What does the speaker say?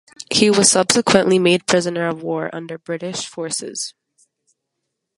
He was subsequently made prisoner of war under British forces.